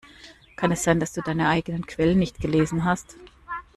Kann es sein, dass du deine eigenen Quellen nicht gelesen hast?